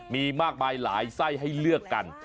มีมากมายหลายไส้ให้เลือกกัน